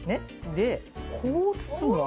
でこう包むわけ。